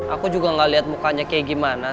aku juga gak lihat mukanya kayak gimana